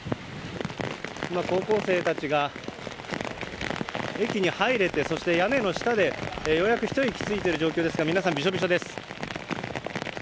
今、高校生たちが駅に入れて、屋根の下でようやくひと息ついている状況ですが皆さんびしょびしょです。